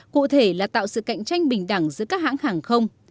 cụ thể là tạo sự cạnh tranh bình đẳng giữa các hãng hàng không